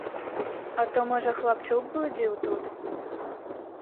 А то, можа, хлапчук блудзіў тут?